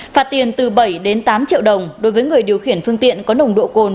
phạt tiền từ bảy đến tám triệu đồng đối với người điều khiển phương tiện có nồng độ cồn